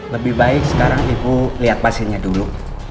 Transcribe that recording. lebih baik sekarang ibu liat pasiennya dulu